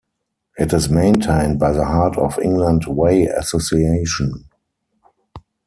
It is maintained by the Heart of England Way Association.